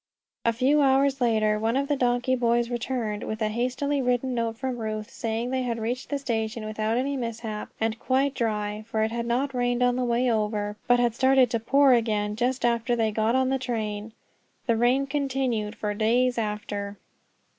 A few hours later one of the donkey boys returned with a hastily written note from Ruth, saying they had reached the station without any mishap, and quite dry; for it had not rained on the way over, but had started to pour again just after they had got on the train. The rain continued for days after.